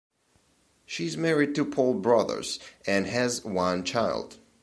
She is married to Paul Brothers and has one child.